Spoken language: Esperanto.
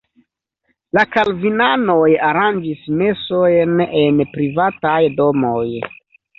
La kalvinanoj aranĝis mesojn en privataj domoj.